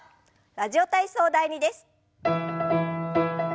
「ラジオ体操第２」です。